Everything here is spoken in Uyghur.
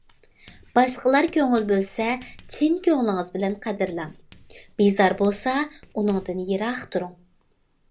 باشقىلار كۆڭۈل بۆلسە، چىن كۆڭلىڭىز بىلەن قەدىرلەڭ، بىزار بولسا، ئۇنىڭدىن يىراق تۇرۇڭ.